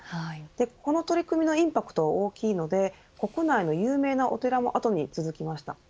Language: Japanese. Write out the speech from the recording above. この取り組みのインパクトは大きいので国内の有名なお寺もあとに続きました。